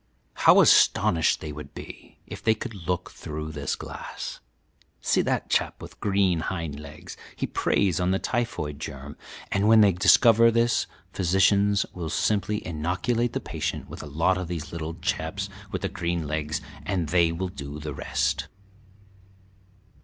How astonished they would be if they could look through this glass! See that chap with green hind legs: he preys on the typhoid germ, and when they discover this physicians will simply inoculate the patient with a lot of these little chaps with the green legs, and they will do the rest.